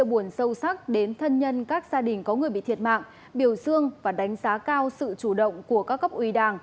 buồn sâu sắc đến thân nhân các gia đình có người bị thiệt mạng biểu dương và đánh giá cao sự chủ động của các cấp ủy đảng